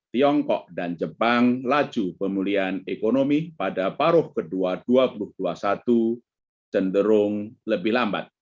tiongkok dan jepang laju pemulihan ekonomi pada paruh kedua dua ribu dua puluh satu cenderung lebih lambat